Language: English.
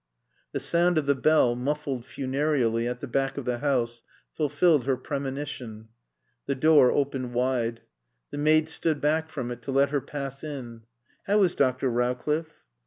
The sound of the bell, muffled funereally, at the back of the house, fulfilled her premonition. The door opened wide. The maid stood back from it to let her pass in. "How is Dr. Rowcliffe?"